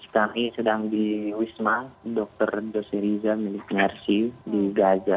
kami sedang di wisma dr dose riza milik mersi di gaza